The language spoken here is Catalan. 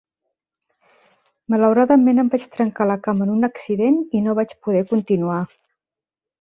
Malauradament em vaig trencar la cama en un accident i no vaig poder continuar.